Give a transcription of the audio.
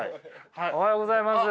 おはようございます！